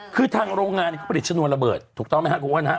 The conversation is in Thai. คือทางโรงงานผลิตชนวนระเบิดถูกต้องไหมฮะครูอ้วนนะฮะ